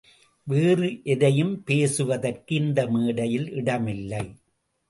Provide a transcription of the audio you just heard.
வேறு எதையும் பேசுவதற்கு இந்த மேடையில் இடமில்லை.